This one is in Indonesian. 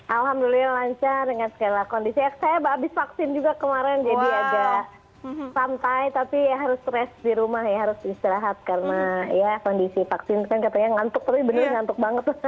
alhamdulillah lancar dengan segala kondisi saya habis vaksin juga kemarin jadi agak santai tapi ya harus stres di rumah ya harus istirahat karena ya kondisi vaksin kan katanya ngantuk tapi bener ngantuk banget